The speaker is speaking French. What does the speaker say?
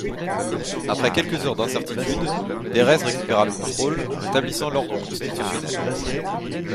Après quelques heures d'incertitude, Pérez récupéra le contrôle, rétablissant l'ordre constitutionnel.